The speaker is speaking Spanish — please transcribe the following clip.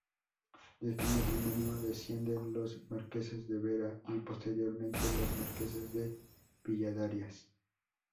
De este matrimonio descienden los marqueses de Vera y posteriormente los marqueses de Villadarias.